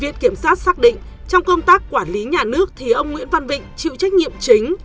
viện kiểm sát xác định trong công tác quản lý nhà nước thì ông nguyễn văn vịnh chịu trách nhiệm chính